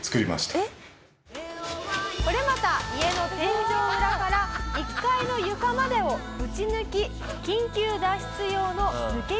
「これまた家の天井裏から１階の床までをぶち抜き緊急脱出用の抜け道を製作」